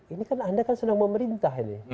ini kan anda kan sedang memerintah ini